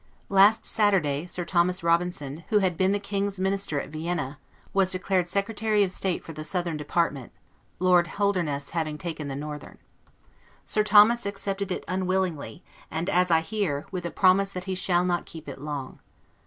Last Saturday, Sir Thomas Robinson, who had been the King's Minister at Vienna, was declared Secretary of State for the southern department, Lord Holderness having taken the northern. Sir Thomas accepted it unwillingly, and, as I hear, with a promise that he shall not keep it long.